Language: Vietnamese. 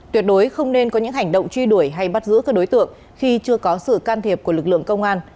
tuyệt đối không nên có những hành động truy đuổi hay bắt giữ các đối tượng khi chưa có sự can thiệp của lực lượng công an